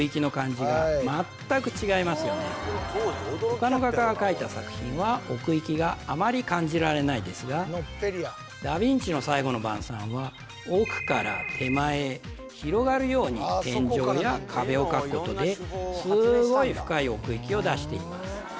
他の画家が描いた作品は奥行きがあまり感じられないですがダ・ヴィンチの「最後の晩餐」は奥から手前へ広がるように天井や壁を描くことですごい深い奥行きを出しています